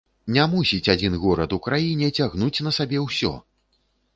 Не мусіць адзін горад у краіне цягнуць на сабе ўсё!